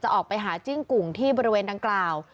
ออกไปหาจิ้งกุ่งที่บริเวณดังกล่าว